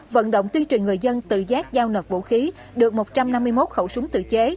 vận động tuyên truyền người dân tự giác giao nộp vũ khí được một trăm năm mươi một khẩu súng tự chế